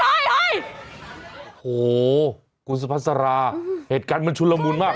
โอ้โหคุณสุภาษาราเหตุการณ์มันชุนละมุนมาก